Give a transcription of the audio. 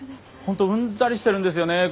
本当うんざりしてるんですよねぇ